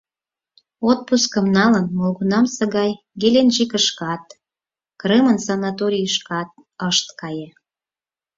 Отпускым налын, молгунамсе гай Геленджикышкат, Крымын санаторийышкат ышт кае.